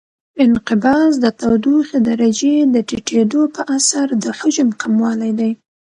انقباض د تودوخې درجې د ټیټېدو په اثر د حجم کموالی دی.